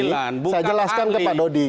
saya jelaskan ke pak dodi